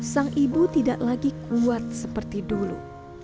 sang ibu tidak lagi kuat seperti dulu